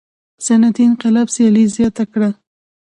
صنعتي انقلاب سیالي زیاته کړه.